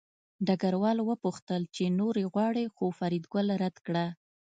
ډګروال وپوښتل چې نورې غواړې خو فریدګل رد کړه